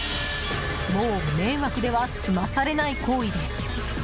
もう、迷惑では済まされない行為です。